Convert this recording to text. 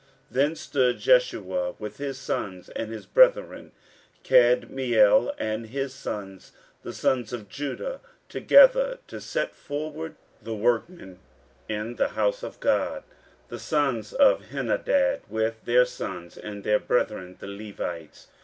15:003:009 Then stood Jeshua with his sons and his brethren, Kadmiel and his sons, the sons of Judah, together, to set forward the workmen in the house of God: the sons of Henadad, with their sons and their brethren the Levites.